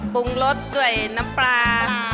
ปรุงรสด้วยน้ำปลา